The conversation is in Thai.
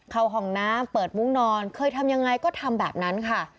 ห้องน้ำเปิดมุ้งนอนเคยทำยังไงก็ทำแบบนั้นค่ะ